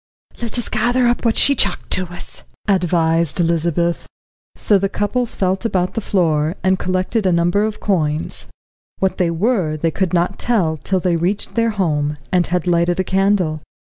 "Let us gather up what she chucked to us," advised Elizabeth. So the couple felt about the floor, and collected a number of coins. What they were they could not tell till they reached their home, and had lighted a candle.